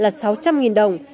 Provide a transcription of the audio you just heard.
là sáu trăm linh đồng